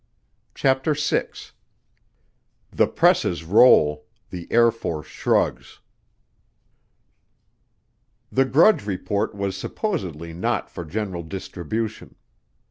CHAPTER SIX The Presses Roll The Air Force Shrugs The Grudge Report was supposedly not for general distribution.